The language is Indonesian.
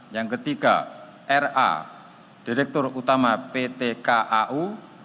yang ketiga ra direktur utama pt kau